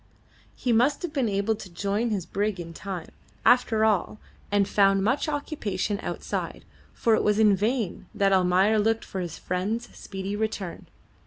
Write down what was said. He must have been able to join his brig in time, after all, and found much occupation outside, for it was in vain that Almayer looked for his friend's speedy return.